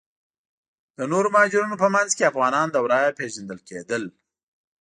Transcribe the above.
د نورو مهاجرینو په منځ کې افغانان له ورایه پیژندل کیدل.